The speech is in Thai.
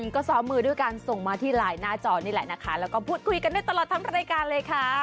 ก็ซ้อมมือด้วยการส่งมาที่ไลน์หน้าจอนี่แหละนะคะแล้วก็พูดคุยกันได้ตลอดทั้งรายการเลยค่ะ